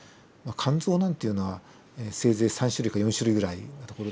肝臓なんていうのはせいぜい３種類か４種類ぐらいなところですけどもね。